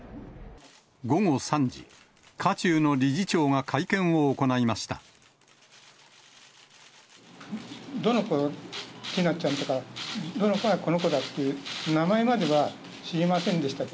午後３時、渦中の理事長が会見を行いました。